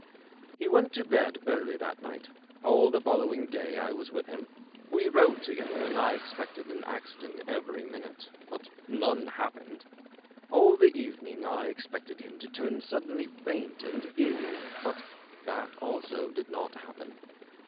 He went to bed early that night All the following day I was with him. We rode together, and I ex pected an accident every minute, but none happened. All the even ing I expected him to turn suddenly faint and ill, but that also did not happen.